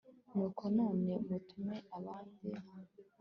nuko none mutume abandi